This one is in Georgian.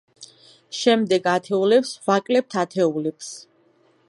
შემდეგ, ათეულებს ვაკლებთ ათეულებს.